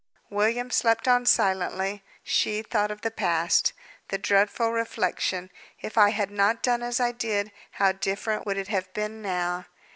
William slept on silently; she thought of the past. The dreadful reflection, "If I had not done as I did, how different would it have been now!"